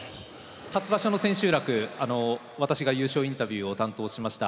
初場所の千秋楽私が優勝インタビューを担当しました。